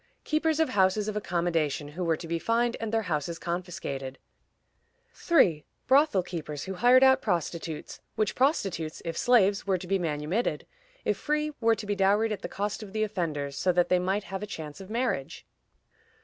Keepers of houses of accommodation, who were to be fined, and their houses confiscated. 3. Brothel keepers who hired out prostitutes, which prostitutes, if slaves, were to be manumitted; if free, were to be dowried at the cost of the offenders, so that they might have a chance of marriage.